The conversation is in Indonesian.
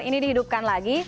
ini dihidupkan lagi